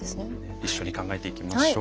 一緒に考えていきましょう。